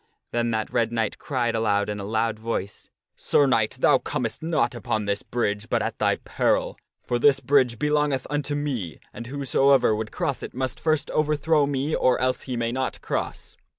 Then that Red Knight cried out in a loud voice, ' Sir Knight, thou comest not upon this bridge but at thy peril ; for this bridge belongeth unto me, and whosoever would cross it must first overthrow me or else he may not cross.'